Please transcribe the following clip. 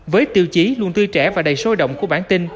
với tiêu chí luôn tươi trẻ và đầy sôi động của bản tin